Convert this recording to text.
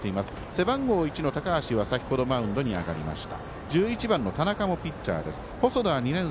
背番号１の高橋は先ほどマウンドに上がりました。